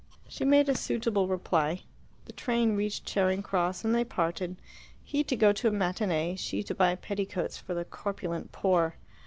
She made a suitable reply. The train reached Charing Cross, and they parted, he to go to a matinee, she to buy petticoats for the corpulent poor.